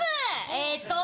ええっと